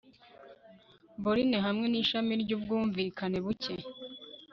Borne hamwe nishami ryubwumvikane buke